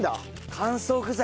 乾燥具材！